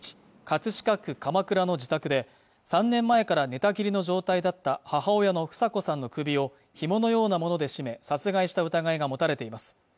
葛飾区鎌倉の自宅で３年前から寝たきりの状態だった母親の房子さんの首をひものようなもので絞め殺害した疑いが持たれています